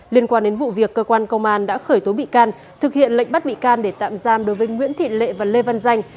liên quan đến vụ việc cơ quan công an đã khởi tố bị can thực hiện lệnh bắt bị can để tạm giam đối với nguyễn thị lệ và lê văn danh